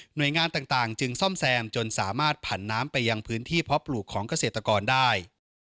โดยงานต่างจึงซ่อมแซมจนสามารถผันน้ำไปยังพื้นที่เพาะปลูกของเกษตรกรได้